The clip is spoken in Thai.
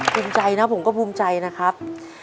ภูมิใจนะผมก็ภูมิใจนะครับ